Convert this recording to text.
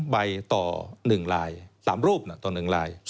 ใบต่อ๑ลาย๓รูปต่อ๑ลาย